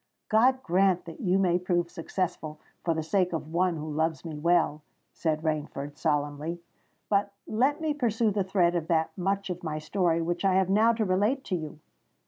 "God grant that you may prove successful, for the sake of one who loves me well!" said Rainford, solemnly. "But let me pursue the thread of that much of my story which I have now to relate to you.